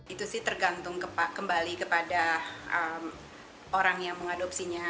itu sih tergantung kembali kepada orang yang mengadopsinya